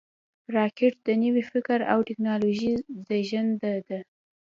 راکټ د نوي فکر او ټېکنالوژۍ زیږنده ده